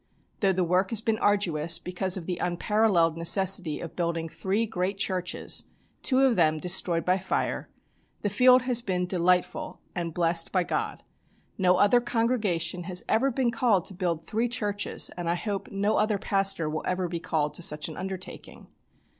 "Though the work has been arduous, because of the unparalleled necessity of building three great churches, two of them destroyed by fire, the field has been delightful and blessed by God. No other congregation has ever been called to build three churches, and I hope no other pastor will ever be called to such an undertaking.